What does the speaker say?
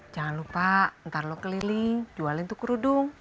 jangan lupa ntar lo keliling jualin tukur udung